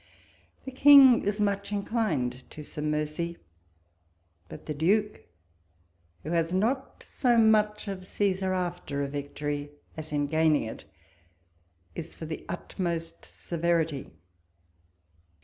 The King is much inclined to some mercy ; but the Duke, who has not so much of Caesar after a victory, as in gaining it, is for the utmost severity.